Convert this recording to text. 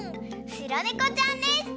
しろねこちゃんです！